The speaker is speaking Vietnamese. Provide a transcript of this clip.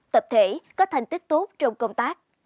tập thể có thành tích tốt trong công tác